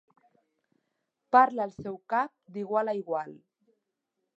Parla al seu cap d'igual a igual.